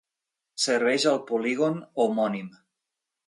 Serveix al polígon homònim.